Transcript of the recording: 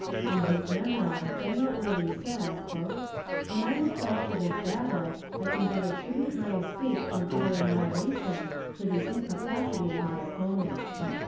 In his memoir General Early says: "When I look back to this battle, I can but attribute my escape from utter annihilation to the incapacity of my opponent."